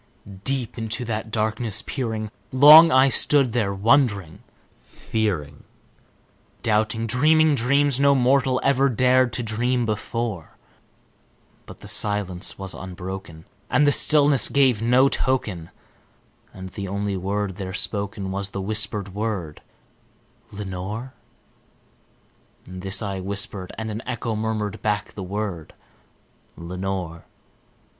Deep into that darkness peering, long I stood there wondering, fearing, Doubting, dreaming dreams no mortal ever dared to dream before; But the silence was unbroken, and the darkness gave no token, And the only word there spoken was the whispered word, "Lenore!" This I whispered, and an echo murmured back the word, "Lenore!"